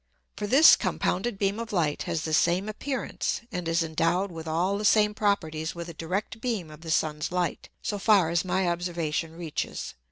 For this compounded beam of Light has the same appearance, and is endow'd with all the same Properties with a direct beam of the Sun's Light, so far as my Observation reaches.